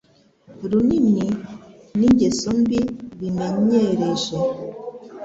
runini n’ingeso mbi bimenyereje.